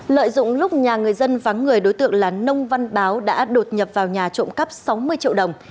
lợi dụng lúc nhà người dân vắng người đối tượng là nông văn báo đã đột nhập vào nhà trộm cắp sáu mươi triệu đồng